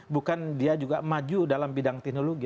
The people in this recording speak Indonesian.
bukan dia juga maju dalam bidang teknologi